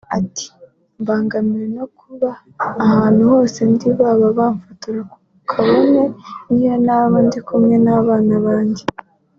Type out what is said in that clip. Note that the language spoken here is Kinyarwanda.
Ati “Mbangamirwa no kuba ahantu hose ndi baba bamfotore kabone niyo naba ndi kumwe n’abana banjye